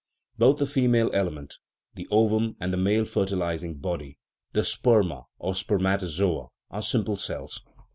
Both the female element, the ovum, and the male fertilizing body, the sperma or spermatozoa, are simple cells.